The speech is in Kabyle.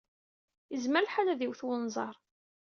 Yezmer lḥal ad d-iwet wenẓar.